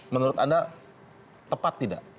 menurut anda tepat tidak